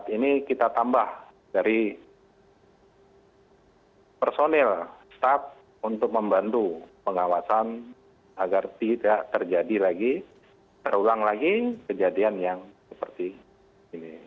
ini kita tambah dari personil staff untuk membantu pengawasan agar tidak terjadi lagi terulang lagi kejadian yang seperti ini